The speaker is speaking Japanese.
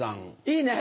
いいね。